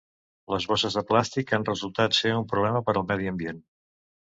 Les bosses de plàstic han resultat ser un problema per al medi ambient.